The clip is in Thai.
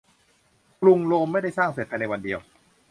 กรุงโรมไม่ได้สร้างเสร็จภายในวันเดียว